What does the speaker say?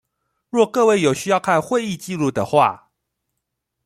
若各位有需要看會議紀錄的話